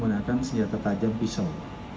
menyelamatkan senjata tajam pisau